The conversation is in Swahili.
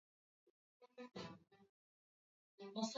Napenda magari yaliyo na urefu.